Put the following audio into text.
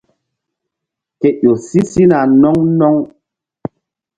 Ke ƴo si sina no̧ŋ no̧ŋ.